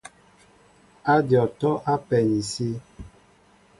Ádyɔŋ atɔ́' á pɛ ni sí.